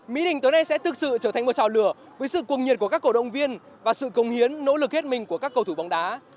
mỹ đình tối nay sẽ thực sự trở thành một trào lửa với sự cuồng nhiệt của các cổ động viên và sự công hiến nỗ lực hết mình của các cầu thủ bóng đá